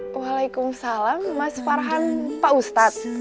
waalaikumsalam mas farhan pak ustadz